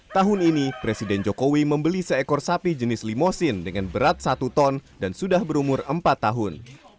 tahun ini presiden jokowi membeli seekor sapi jenis limosin dengan berat satu ton dan sudah berumur empat tahun